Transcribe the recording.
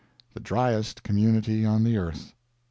The dryest community on the earth.